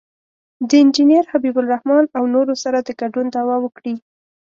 د انجینر حبیب الرحمن او نورو سره د ګډون دعوه وکړي.